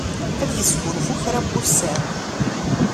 Ad yesgunfu kra n wussan.